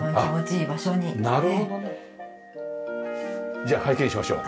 じゃあ拝見しましょう。